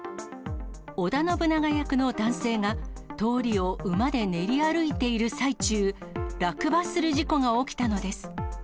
織田信長役の男性が、通りを馬で練り歩いている最中、落馬する事故が起きたのです。